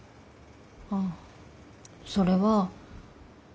あっそれは。